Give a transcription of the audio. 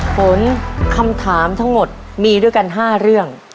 ฝนคำถามทั้งหมดมีด้วยกัน๕เรื่อง